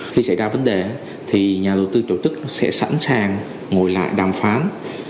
khi xảy ra vấn đề thì nhà đầu tư tổ chức sẽ sẵn sàng ngồi lại đàm phán